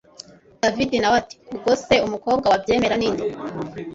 david nawe ati ubwo se umukobwa wabyemera ninde